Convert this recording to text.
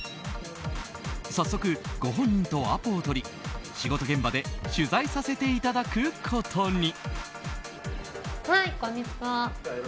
早速、ご本人とアポを取り仕事現場で取材させていただくことに。